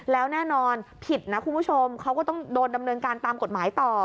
แล้วแน่นอนผิดนะคุณผู้ชมเขาก็ต้องโดนดำเนินการตามกฎหมายต่อ